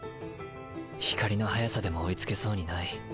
光の速さでも追いつけそうにない。